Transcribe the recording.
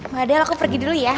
mbak adele aku pergi dulu ya